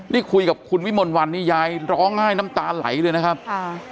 นี่คุยกับคุณวิมลวันนี่ยายร้องไห้น้ำตาไหลเลยนะครับค่ะ